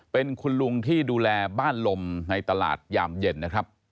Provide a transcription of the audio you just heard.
เป็นคุณลุงที่ดูแลบ้านลมในตลาดยามเย็นนะครับ